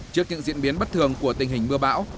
trước những diễn biến bất thường của tình hình mưa bão